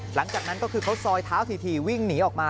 หลังจากนั้นก็คือเขาซอยเท้าถี่วิ่งหนีออกมา